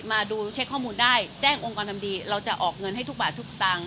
มาดูเช็คข้อมูลได้แจ้งองค์กรทำดีเราจะออกเงินให้ทุกบาททุกสตางค